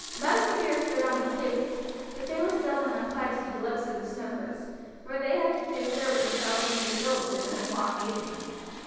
Mugs of beer stood on the tables, but they were seldom applied to the lips of the smokers, for they had to do service without being refilled through the long evening.